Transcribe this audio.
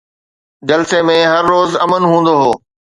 جلسي ۾ هر روز امن هوندو هو